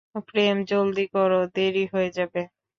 প্রেম, জলদি করো, দেরি হয়ে যাবে।